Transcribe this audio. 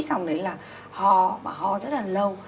xong đấy là hò mà hò rất là lâu